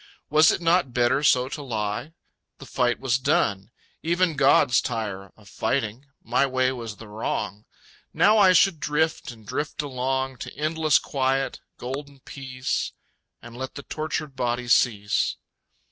Was it not better so to lie? The fight was done. Even gods tire Of fighting.... My way was the wrong. Now I should drift and drift along To endless quiet, golden peace... And let the tortured body cease.